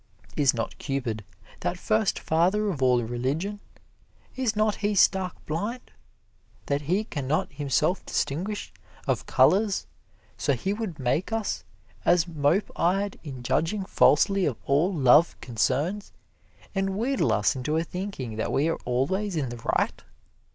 Is not Cupid, that first father of all religion, is not he stark blind, that he can not himself distinguish of colors, so he would make us as mope eyed in judging falsely of all love concerns, and wheedle us into a thinking that we are always in the right?